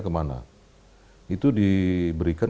kemana itu diberikan